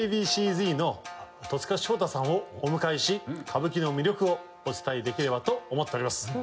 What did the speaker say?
Ａ．Ｂ．Ｃ−Ｚの戸塚祥太さんをお迎えし歌舞伎の魅力をお伝えできればと思っております。